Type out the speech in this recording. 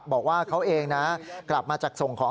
บอกว่าเขาเองนะกลับมาจากส่งของ